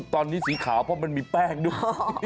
ตอนนี้สีขาวเพราะมันมีแป้งด้วย